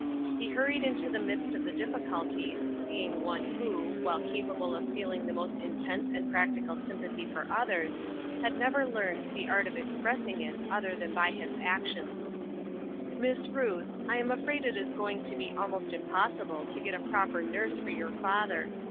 He huiTied into the midst of the difficulties, being one who, while capable of feeling the most intense and practical sympathy for others, had never learned the art of expressing it other than by actions. " Miss Ruth, I am afraid it is going to be almost impossible to get a proper nurse for your father.